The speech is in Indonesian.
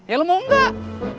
ya lo mau gak